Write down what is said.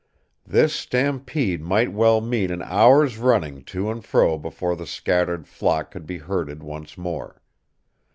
This stampede might well mean an hour's running to and fro before the scattered flock could be herded once more.